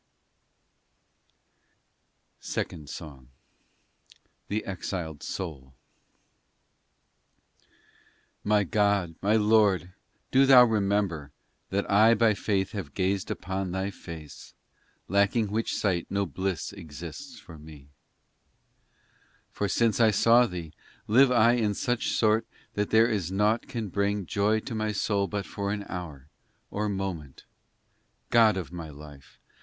SONG II MI DIGS Y MI SENOR, TENED MEMORIA The Exiled Soul i MY God, my Lord, do Thou remember That I by faith have gazed upon Thy Face Lacking which sight no bliss exists for me ! POEMS 295 ii For since I saw Thee, live I in such sort That there is naught can bring Joy to my soul but for an hour, or moment ! in God of my life